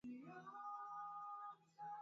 kurudi jamhuri ya kidemokrasia ya Kongo